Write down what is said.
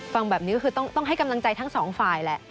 ฟังแบบนี้ก็คือต้องให้กำลังใจทั้งสองฝ่ายแหละ